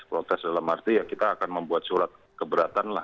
protes dalam arti ya kita akan membuat surat keberatan lah